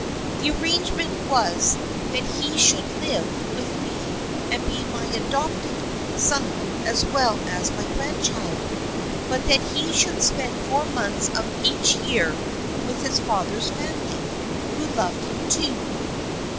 The ar rangement was that he should live with me and be my adopted son as well as my grandchild, but that he should spend four months of each year with his father's family, who loved him too.